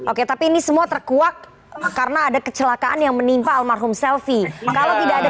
oke tapi ini semua terkuak karena ada kecelakaan yang menimpa almarhum selvie kalau tidak ada